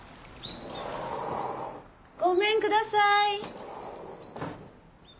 ごめんください。